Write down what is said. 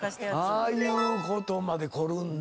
ああいうことまで凝るんだ。